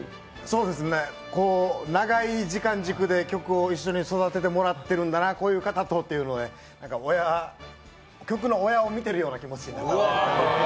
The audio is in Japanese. そうですね、長い時間軸で曲を一緒に育ててもらってるんだな、こういう方とというので、曲の親を見てるような感じで。